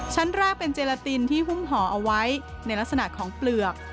ชั้นแรกเป็นเจลาตินที่หุ้มห่อเอาไว้ในลักษณะของเปลือก